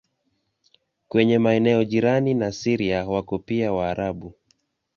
Kwenye maeneo jirani na Syria wako pia Waarabu.